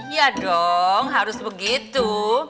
iya dong harus begitu